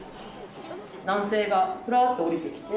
男性がふらっと降りてきて。